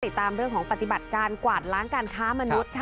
ติดตามเรื่องของปฏิบัติการกวาดล้างการค้ามนุษย์ค่ะ